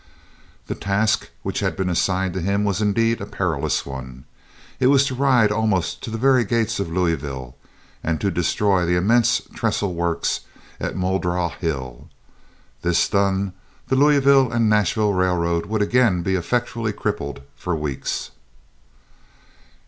The task which had been assigned him was indeed a perilous one. It was to ride almost to the very gates of Louisville, and to destroy the immense trestle works at Muldraugh Hill. This done, the Louisville and Nashville Railroad would again be effectually crippled for weeks.